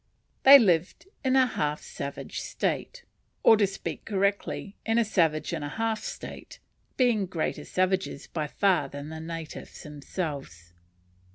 They lived in a half savage state, or, to speak correctly, in a savage and a half state, being greater savages by far than the natives themselves.